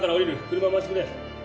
車回してくれ